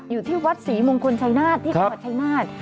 อยู่ที่วัดศรีมงคลชายนาฏที่จังหวัดชายนาฏ